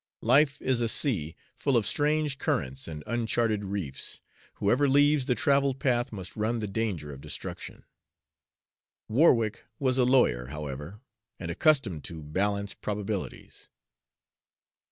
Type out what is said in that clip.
Life is a sea, full of strange currents and uncharted reefs whoever leaves the traveled path must run the danger of destruction. Warwick was a lawyer, however, and accustomed to balance probabilities.